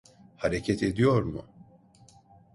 Hareket ediyor mu?